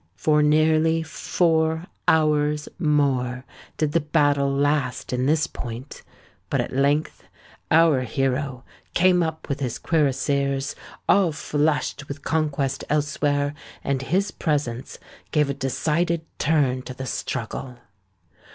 For nearly four hours more did the battle last in this point; but at length our hero came up with his cuirassiers, all flushed with conquest elsewhere; and his presence gave a decided turn to the struggle.